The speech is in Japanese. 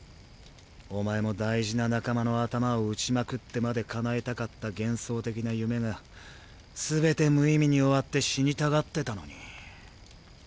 お前も大事な仲間の頭を撃ちまくってまで叶えたかった幻想的な夢がすべて無意味に終わって死にたがってたのに。